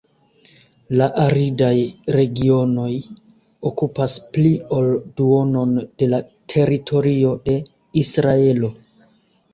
La aridaj regionoj okupas pli ol duonon de la teritorio de Israelo.